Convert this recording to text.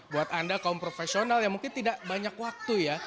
buat anda kaum profesional yang mungkin tidak banyak waktu ya